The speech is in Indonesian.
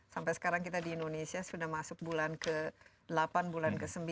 sampai sekarang kita di indonesia sudah masuk bulan ke delapan bulan ke sembilan